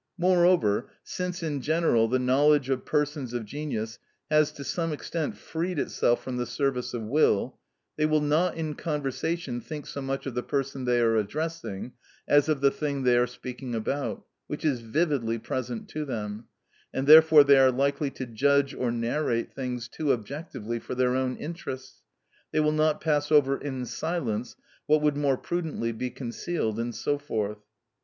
Moreover, since, in general, the knowledge of persons of genius has to some extent freed itself from the service of will, they will not in conversation think so much of the person they are addressing as of the thing they are speaking about, which is vividly present to them; and therefore they are likely to judge or narrate things too objectively for their own interests; they will not pass over in silence what would more prudently be concealed, and so forth.